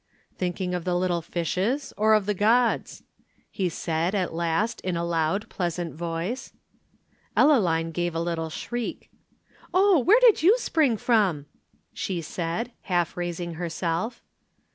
"Thinking of the little fishes or of the gods?" he said at last in a loud pleasant voice. Ellaline gave a little shriek. "Oh, where did you spring from?" she said, half raising herself.